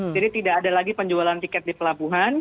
jadi tidak ada lagi penjualan tiket di pelabuhan